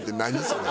それ。